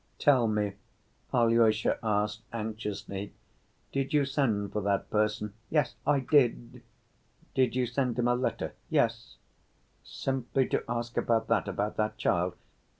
"Tell me," Alyosha asked anxiously, "did you send for that person?" "Yes, I did." "Did you send him a letter?" "Yes." "Simply to ask about that, about that child?"